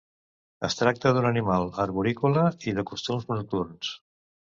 Es tracta d'un animal arborícola i de costums nocturns.